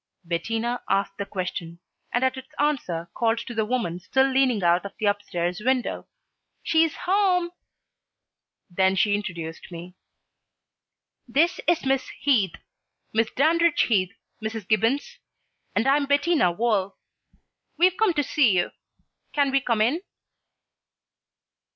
Bettina asked the question, and at its answer called to the woman still leaning out of the upstairs window, "She's home." Then she introduced me. "This is Miss Heath. Miss Dandridge Heath, Mrs. Gibbons; and I'm Bettina Woll. We've come to see you. Can we come in?"